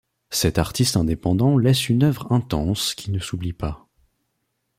Cet artiste indépendant laisse une œuvre intense qui ne s’oublie pas.